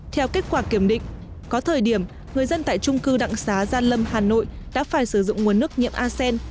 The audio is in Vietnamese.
theo kết quả kiểm định có thời điểm người dân tại trung cư đặng xá gia lâm hà nội đã phải sử dụng nguồn nước nhiễm asean